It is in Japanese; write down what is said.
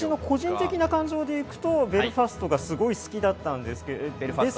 個人的な感情で行くと『ベルファスト』がすごく好きだったんです。